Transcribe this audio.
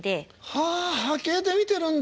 はあ波形で見てるんだ。